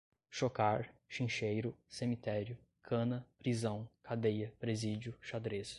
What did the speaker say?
chocar, chincheiro, cemitério, cana, prisão, cadeia, presídio, xadrez